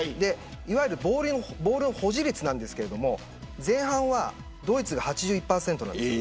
いわゆるボールの保持率ですが前半はドイツが８１％なんです。